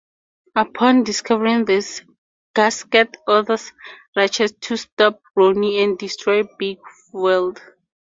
Upon discovering this, Gasket orders Ratchet to stop Rodney and destroy Bigweld.